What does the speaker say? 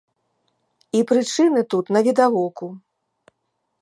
І прычыны тут навідавоку.